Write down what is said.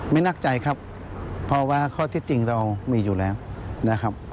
นักใจครับเพราะว่าข้อที่จริงเรามีอยู่แล้วนะครับ